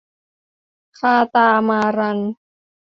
คาตามารัน